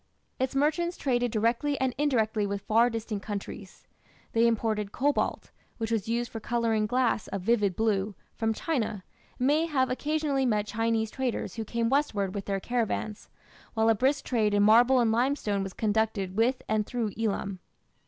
Its merchants traded directly and indirectly with far distant countries. They imported cobalt which was used for colouring glass a vivid blue from China, and may have occasionally met Chinese traders who came westward with their caravans, while a brisk trade in marble and limestone was conducted with and through Elam.